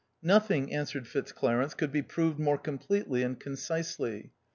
" Nothing," answered Fitzclarence, "could be proved more completely and concisely.